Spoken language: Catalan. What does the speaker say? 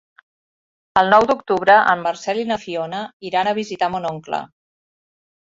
El nou d'octubre en Marcel i na Fiona iran a visitar mon oncle.